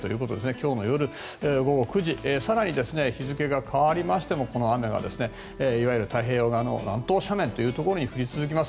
今日の午後９時更に日付が変わりましてもこの雨がいわゆる太平洋側に降り続きます。